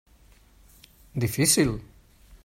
Difícil.